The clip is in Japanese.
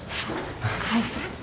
はい。